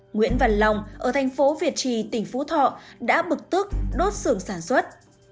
nguyễn văn long ở thành phố việt trì tỉnh phú thọ đã bực tức đốt xưởng sản xuất